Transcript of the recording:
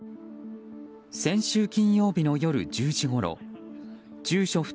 先週金曜日の夜１０時ごろ住所